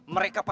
mereka pak kiai